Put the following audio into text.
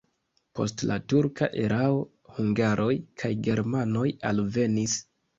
Post la turka erao hungaroj kaj germanoj alvenis.